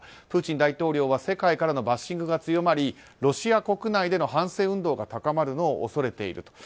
プーチン大統領は世界からのバッシングが強まりロシア国内での反戦運動が高まるのを恐れている。